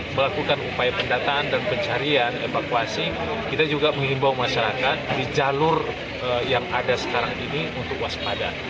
melakukan upaya pendataan dan pencarian evakuasi kita juga mengimbau masyarakat di jalur yang ada sekarang ini untuk waspada